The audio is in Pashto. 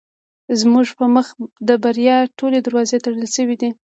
زموږ په مخ د بریا ټولې دروازې تړل شوې دي.